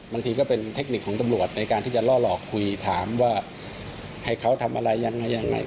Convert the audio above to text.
บางทีก็เป็นเทคนิคของตำรวจในการที่จะล่อหลอกคุยถามว่าให้เขาทำอะไรยังไงยังไง